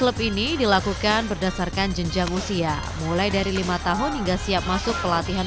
klub ini dilakukan berdasarkan jenjang usia mulai dari lima tahun hingga siap masuk pelatihan